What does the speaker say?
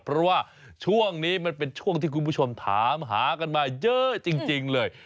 เพราะว่าช่วงนี้มันเป็นช่วงที่คุณผู้ชมถามหากันมาเยอะจริงเลย